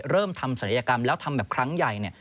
เริ่มทำศัลยกรรมแล้วทำแบบครั้งใหญ่เนี่ย